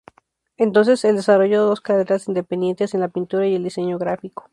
Entonces el desarrolla dos carreras independientes: en la pintura y el diseño gráfico.